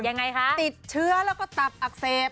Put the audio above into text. ยังไงคะติดเชื้อแล้วก็ตับอักเสบ